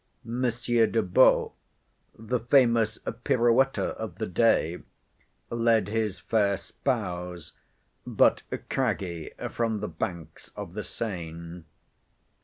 Monsieur de B., the famous pirouetter of the day, led his fair spouse, but craggy, from the banks of the Seine.